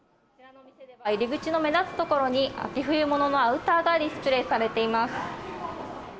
入り口の目立つ所に、秋冬物のアウターがディスプレーされています。